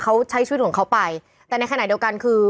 เขาใช้ชีวิตของเขาไปแต่ในขณะเดียวกันคือ